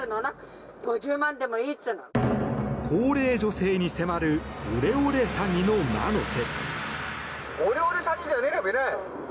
高齢女性に迫るオレオレ詐欺の魔の手。